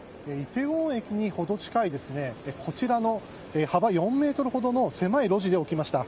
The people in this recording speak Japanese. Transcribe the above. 梨泰院駅にほど近いこちらの幅４メートルほどの狭い路地で起きました。